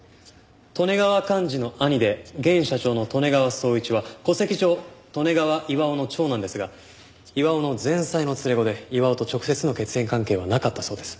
利根川寛二の兄で現社長の利根川宗一は戸籍上利根川巌の長男ですが巌の前妻の連れ子で巌と直接の血縁関係はなかったそうです。